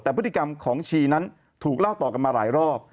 แต่พฤติกรรมของชีนั้นถูกเล่าต่อกันมาหลายรอบ